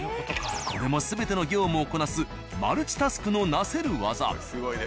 これも全ての業務をこなすマルチタスクのなせる業。